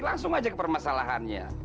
langsung aja ke permasalahannya